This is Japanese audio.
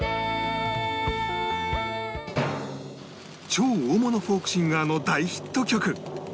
超大物フォークシンガーの大ヒット曲